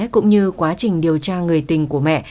cũng như quá trình điều tra người tình của mẹ